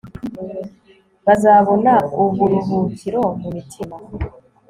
bazabona uburuhukiro mu mitima